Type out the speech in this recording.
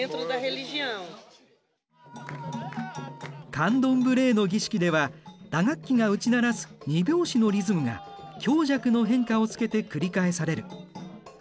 カンドンブレーの儀式では打楽器が打ち鳴らす２拍子のリズムが強弱の変化をつけて繰り返される。